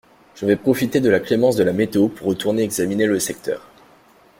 Je vais profiter de la clémence de la météo pour retourner examiner le secteur.